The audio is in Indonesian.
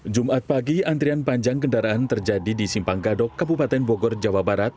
jumat pagi antrian panjang kendaraan terjadi di simpang gadok kabupaten bogor jawa barat